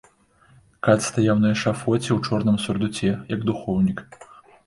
Кат стаяў на эшафоце ў чорным сурдуце, як духоўнік.